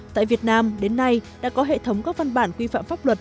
tại việt nam đến nay đã có hệ thống các văn bản quy phạm pháp luật